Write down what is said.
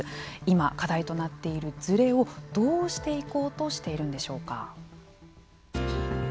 今、課題となっているズレをどうしていこうとしているんでしょうか。